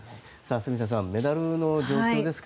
住田さん、改めてメダルの状況ですが。